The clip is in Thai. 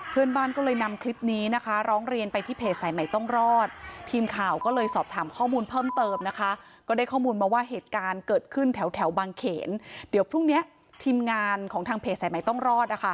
เพื่อนบ้านก็เลยนำคลิปนี้ร้องเรียนไปที่เพศไหร่ใหม่ต้องรอด